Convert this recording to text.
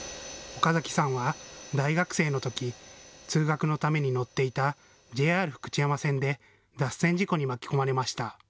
岡崎さんは、大学生のとき、通学のために乗っていたＪＲ福知山線で脱線事故に巻き込まれました。